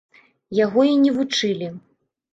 Яго і не вучылі.